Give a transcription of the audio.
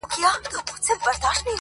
o د گلو كر نه دى چي څوك يې پــټ كړي.